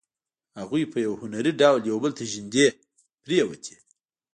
هغوی په یو هنري ډول یو بل ته نږدې پرېوتې